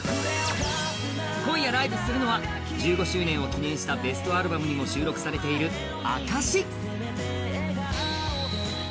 今夜ライブするのは、１５周年を記念したベストアルバムにも収録されている「証」。